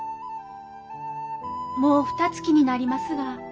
もうふたつきになりますが。